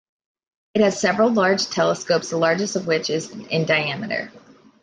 It has several large telescopes, the largest of which is in diameter.